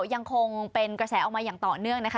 ยังคงเป็นกระแสออกมาอย่างต่อเนื่องนะคะ